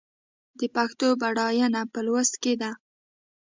د پښتو بډاینه په لوست کې ده.